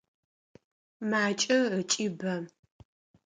Макӏэ ыкӏи бэ.